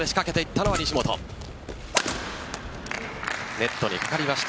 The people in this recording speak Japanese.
ネットにかかりました。